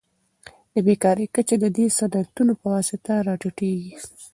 د بیکارۍ کچه د دې صنعتونو په واسطه راټیټیږي.